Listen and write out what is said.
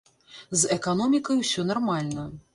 З эканомікай усё нармальна.